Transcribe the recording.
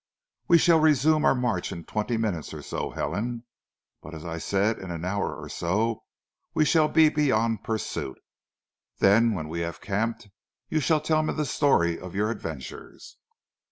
"We shall resume our march in twenty minutes or so, Helen, but as I said, in an hour or so, we shall be beyond pursuit. Then, when we have camped, you shall tell me the story of your adventures."